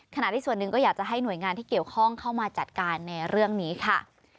ขณะที่ส่วนหนึ่งก็อยากจะให้หน่วยงานที่เกี่ยวข้องเข้ามาจัดการในเรื่องนี้ค่ะ